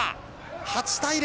８対０。